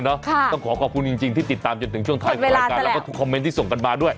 ค่ะต้องขอขอบคุณจริงที่ติดตามจนถึงช่วงที่ถ่ายก่อนแล้วก็คอมเม้นท์ที่ส่งกันมาด้วย